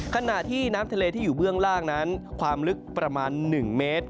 ขณะที่น้ำทะเลที่อยู่เบื้องล่างนั้นความลึกประมาณ๑เมตร